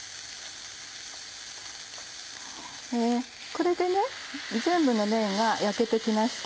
これで全部の面が焼けてきました。